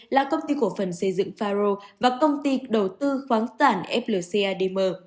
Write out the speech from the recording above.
là công ty cổ phần xây dựng faro và công ty đầu tư khoáng tản flc adm